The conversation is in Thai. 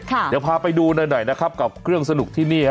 เดี๋ยวพาไปดูหน่อยนะครับกับเครื่องสนุกที่นี่ฮะ